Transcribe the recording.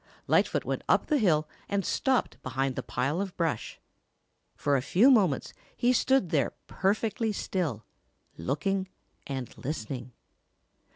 Lightfoot went up the hill and stopped behind the pile of brush. For a few moments he stood there perfectly still, looking and listening.